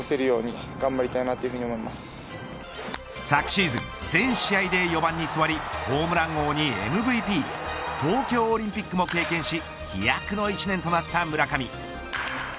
昨シーズン全試合で４番に座りホームラン王にＭＶＰ東京オリンピックも経験し飛躍の１年となった村上。